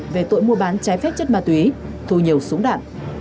về tội mua bán trái phép chất ma túy thu nhiều súng đạn